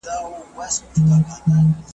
ادب ښه کمال دی